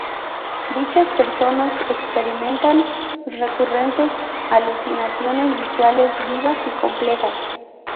Dichas personas experimentan recurrentes alucinaciones visuales, vivas y complejas.